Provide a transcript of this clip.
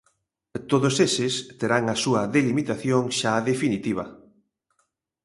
Todos eses terán a súa delimitación xa definitiva.